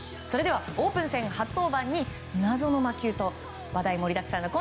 それではオープン戦初登板に謎の魔球と話題盛りだくさん